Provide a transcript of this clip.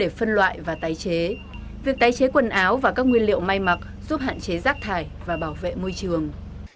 để phân loại và tái chế việc tái chế quần áo và các nguyên liệu may mặc giúp hạn chế rác thải và bảo vệ môi trường